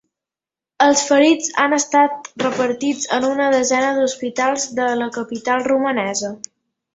Els ferits han estat repartits en una desena d’hospitals de la capital romanesa.